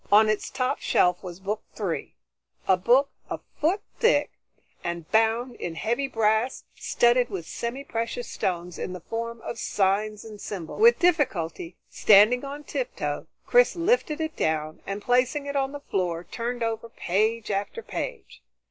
On its top shelf was Book Three, a book a foot thick and bound in heavy brass studded with semi precious stones in the form of signs and symbols. With difficulty, standing on tiptoe, Chris lifted it down, and placing it on the floor, turned over page after page.